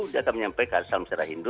dia akan menyampaikan salam secara hindu